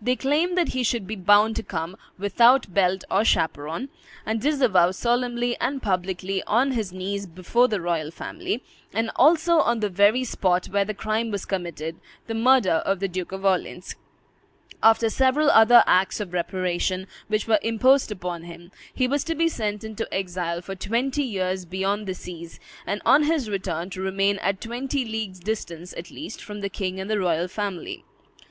They claimed that he should be bound to come, "without belt or chaperon," and disavow solemnly and publicly, on his knees before the royal family, and also on the very spot where the crime was committed, the murder of the Duke of Orleans. After several other acts of reparation which were imposed upon him, he was to be sent into exile for twenty years beyond the seas, and on his return to remain at twenty leagues' distance, at least, from the king and the royal family.